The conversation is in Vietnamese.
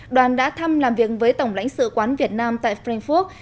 đoàn đã thăm làm việc với tổng lãnh sự quán việt nam tại frankfurt